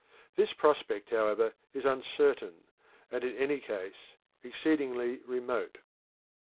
This prospect, however, is uncertain, and in any case exceedingly remote.